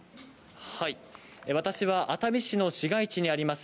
私は熱海市の市街地にあります